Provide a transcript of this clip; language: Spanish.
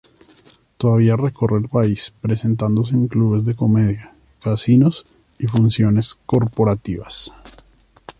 Todavía recorre el país presentándose en clubes de comedia, casinos y funciones corporativas.